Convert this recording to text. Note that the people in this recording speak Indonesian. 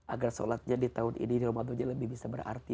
agar sholatnya di tahun ini di ramadan ini lebih bisa berarti